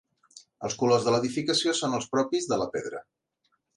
Els colors de l'edificació són els propis de la pedra.